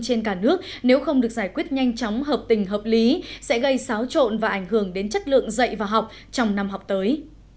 trên cả nước nếu không được giải quyết nhanh chóng hợp tình hợp lý sẽ gây xáo trộn và ảnh hưởng đến chất lượng dạy và học trong năm học tới